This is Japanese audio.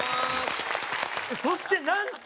そしてなんと！